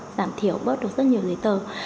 giảm thiểu bớt được rất nhiều giấy tờ